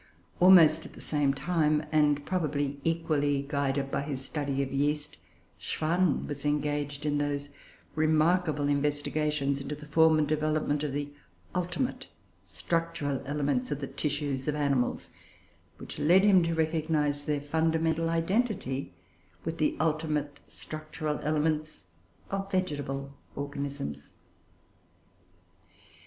Almost at the same time, and, probably, equally guided by his study of yeast, Schwann was engaged in those remarkable investigations into the form and development of the ultimate structural elements of the tissues of animals, which led him to recognise their fundamental identity with the ultimate structural elements of vegetable organisms.